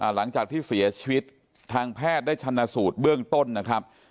หลังจากที่เสียชีวิตทางแพทย์ได้ชนะสูตรเบื้องต้นนะครับ